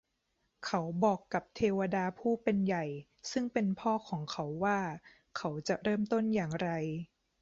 เขาบอกกับเทวดาผู้เป็นใหญ่ซึ่งเป็นพ่อของเขาว่า เขาจะเริ่มต้นอย่างไร